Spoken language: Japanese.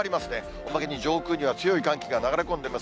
おまけに上空には強い寒気が流れ込んできます。